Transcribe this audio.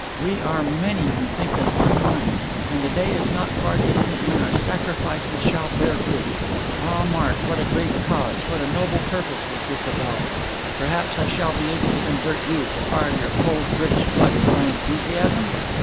We are many who think as one mind. And the day is not far distant when our sacrifices shall bear fruit. Ah, Mark, what a great cause, what a noble purpose, is this of ours! Perhaps I shall be able to convert you, to fire your cold British blood with my enthusiasm?"